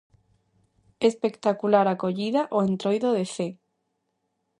Espectacular acollida ao Entroido de Cee.